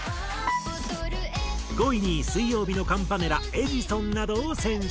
５位に水曜日のカンパネラ『エジソン』などを選出。